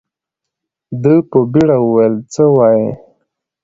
ده په بيړه وويل څه وايې.